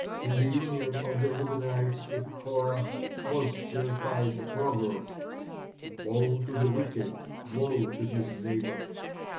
In the union of the Reubenites with Korah was verified the proverb, "Woe to the wicked, woe to his neighbor."